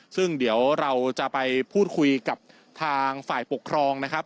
ซึ่งเดี๋ยวเราจะไปพูดคุยกับทางฝ่ายปกครองนะครับ